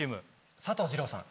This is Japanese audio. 佐藤二朗さん